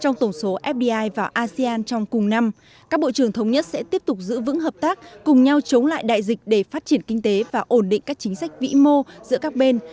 trong khi đó tổng giá trị fdi từ ba nước này vào asean trong cùng năm các bộ trưởng thống nhất sẽ tiếp tục giữ vững hợp tác cùng nhau chống lại đại dịch để phát triển kinh tế và ổn định các chính sách vĩ mô giữa các bên